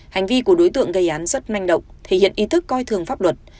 hành vi của đối tượng gây án rất manh động thể hiện ý thức coi thường pháp luật